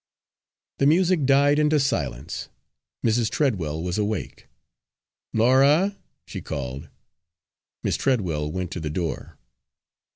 The music died into silence. Mrs. Treadwell was awake. "Laura!" she called. Miss Treadwell went to the door.